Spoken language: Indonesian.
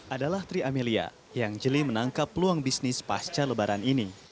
adalah tri amelia yang jeli menangkap peluang bisnis pasca lebaran ini